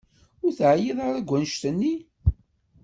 Ur teεyiḍ ara deg annect-nni?